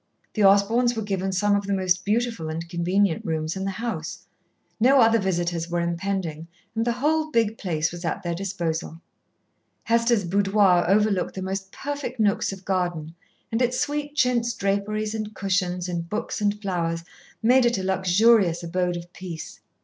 The Osborns were given some of the most beautiful and convenient rooms in the house. No other visitors were impending and the whole big place was at their disposal. Hester's boudoir overlooked the most perfect nooks of garden, and its sweet chintz draperies and cushions and books and flowers made it a luxurious abode of peace.